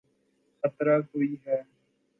خطرہ کوئی ہے۔